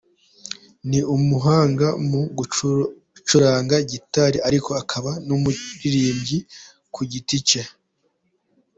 Ni umuhanga mu gucuranga gitari ariko akaba n’umuririmbyi ku giti cye.